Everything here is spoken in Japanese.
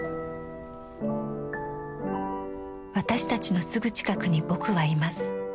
私たちのすぐ近くに「ぼく」はいます。